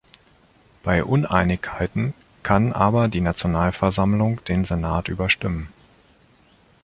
Bei Uneinigkeit kann aber die Nationalversammlung den Senat überstimmen.